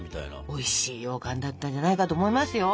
おいしいようかんだったんじゃないかと思いますよ。